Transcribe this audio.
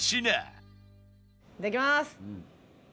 いただきます。